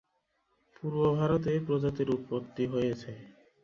পূর্ব ভারতে এই প্রজাতির উৎপত্তি হয়েছে।